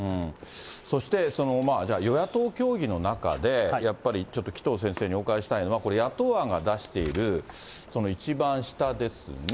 そして、じゃあ与野党協議の中でやっぱり、紀藤先生にお伺いしたいのは、これ、野党案が出している、一番下ですね。